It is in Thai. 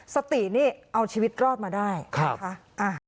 สตินี่เอาชีวิตรอดมาได้นะครับอ่าครับ